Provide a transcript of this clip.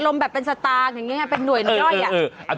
อารมณ์แบบเป็นสตางค์ยังไงเป็นหน่วยและต้อย